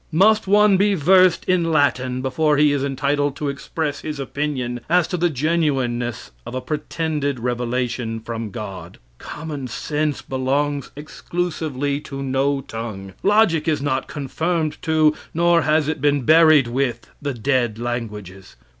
Must one be versed in Latin before he is entitled to express his opinion as to the genuiness of a pretended revelation from God? Common sense belongs exclusively to no tongue. Logic is not confirmed to, nor has it been buried with, the dead languages.